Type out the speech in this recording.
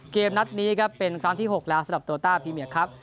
เกมนัดนี้ครับเป็นครั้งที่๖แล้วสำหรับโตต้าพรีเมียครับ